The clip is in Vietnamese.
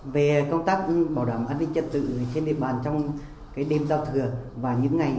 về công tác bảo đảm an tích chất tự trên địa bàn trong đêm giao thừa và những ngày tết